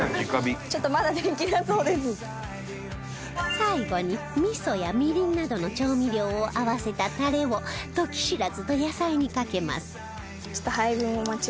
最後に味噌やみりんなどの調味料を合わせたタレをトキシラズと野菜にかけます